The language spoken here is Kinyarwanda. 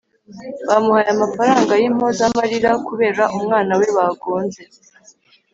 Bamuhaye amafaranga y’impoza marira kubera umwana we bagonze